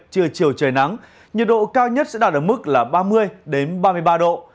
từ chiều trời nắng nhiệt độ cao nhất sẽ đạt được mức ba mươi ba mươi ba độ